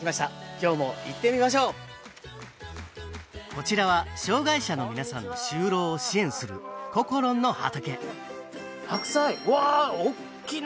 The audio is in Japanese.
今日も行ってみましょうこちらは障害者の皆さんの就労を支援するこころんの畑白菜うわおっきな